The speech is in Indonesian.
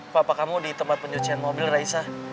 papa kamu di tempat pencucian mobil raisa